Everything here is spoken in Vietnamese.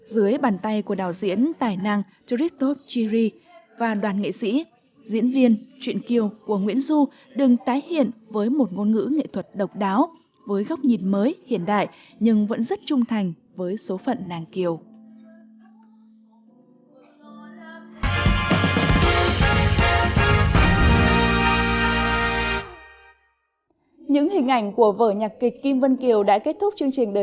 dưới bàn tay của đạo diễn tài năng tritop chiri và đoàn nghệ sĩ diễn viên chuyện kiều của nguyễn du đừng tái hiện với một ngôn ngữ nghệ thuật độc đáo với góc nhìn mới hiện đại nhưng vẫn rất trung thành với số